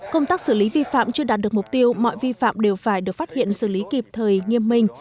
công tác xử lý vi phạm chưa đạt được mục tiêu mọi vi phạm đều phải được phát hiện xử lý kịp thời nghiêm minh